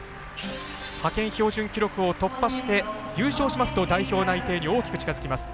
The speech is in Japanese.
派遣標準記録を突破して優勝しますと代表内定に大きく近づきます。